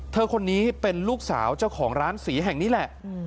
คนนี้เป็นลูกสาวเจ้าของร้านสีแห่งนี้แหละ